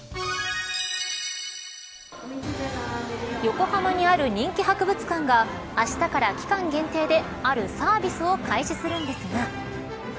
横浜にある人気博物館があしたから期間限定であるサービスを開始するんですが。